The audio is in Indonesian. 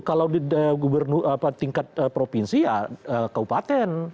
kalau di tingkat provinsi ya kaupaten